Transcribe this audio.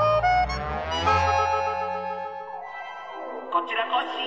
こちらコッシー！